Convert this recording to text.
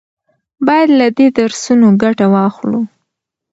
باید له دې درسونو ګټه واخلو.